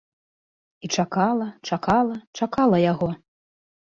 І чакала, чакала, чакала яго.